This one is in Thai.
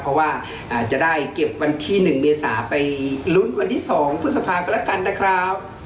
เพราะว่าจะได้เก็บวันที่๑เมษาไปลุ้นวันที่๒พฤษภากันแล้วกันนะครับ